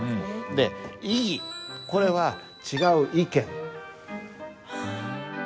で「異議」これは「違う意見」。